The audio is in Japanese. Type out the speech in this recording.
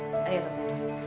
ありがとうございます。